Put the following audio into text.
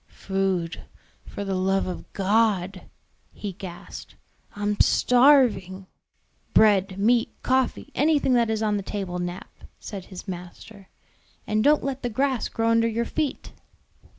"Food, for the love of God," he gasped. "I'm starving!" "Bread, meat, coffee, anything that is on the table, Nap," said his master; "and don't let the grass grow under your feet."